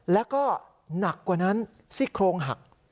แล้วก็หนักกว่านั้นซี่โครงหัก